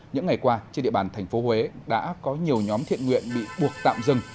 những ngày qua trên địa bàn thành phố huế đã có nhiều nhóm thiện nguyện bị buộc tạm dừng